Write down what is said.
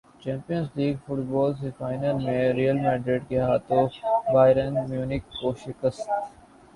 champions league football semi final میں Real Madrid کے ہاتھوں بائرن میونخ کو شکست